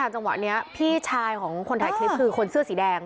จังหวะนี้พี่ชายของคนถ่ายคลิปคือคนเสื้อสีแดง